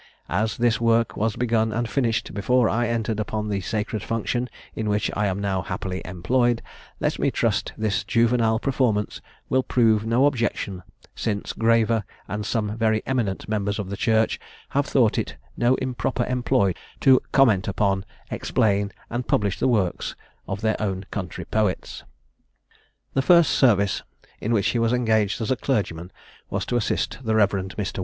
As this work was begun and finished before I entered upon the sacred function in which I am now happily employed, let me trust this juvenile performance will prove no objection, since graver, and some very eminent, members of the Church have thought it no improper employ to comment upon, explain, and publish the works of their own country poets." The first service in which he was engaged as a clergyman was to assist the Rev. Mr.